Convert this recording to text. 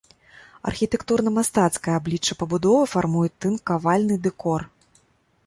Архітэктурна-мастацкае аблічча пабудовы фармуюць тынкавальны дэкор.